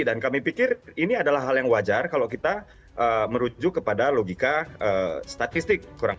dan kami pikir ini adalah hal yang wajar kalau kita merujuk kepada logika statistik